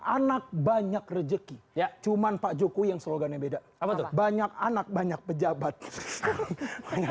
anak banyak rezeki ya cuman pak jokowi yang slogan beda banyak anak banyak pejabat banyak